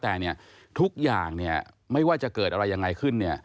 แต่ทุกอย่างไม่ว่าจะเกิดอะไรยังไงขึ้น